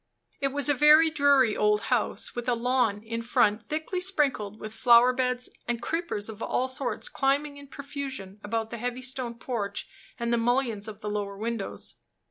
It was a very dreary old house, with a lawn in front thickly sprinkled with flower beds, and creepers of all sorts climbing in profusion about the heavy stone porch and the mullions of the lower windows.